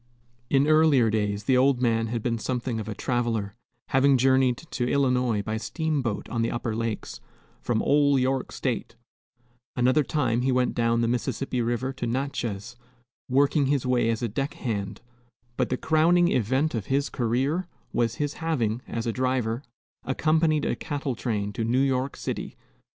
In earlier days the old man had been something of a traveler, having journeyed to Illinois by steamboat on the upper lakes, from "ol' York State;" another time he went down the Mississippi River to Natchez, working his way as a deck hand; but the crowning event of his career was his having, as a driver, accompanied a cattle train to New York city.